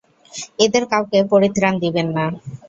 এদের কাউকে পরিত্রাণ দিবেন না।